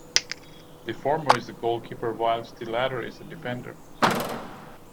The former is a goalkeeper, whilst the latter is a defender.